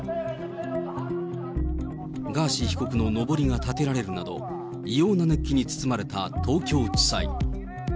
ガーシー被告ののぼりが立てられるなど、異様な熱気に包まれた東京地裁。